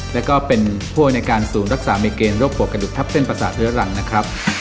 และก็เป็นผู้ในการสูญรักษามีเกณฑ์โรคปวดกระดูกทับเส้นประสาทฤทธิรันดร์